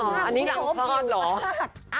อันนี้หลังคลอดเหรอ